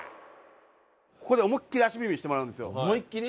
ここで思いっきり足踏みしてもらうんですよ。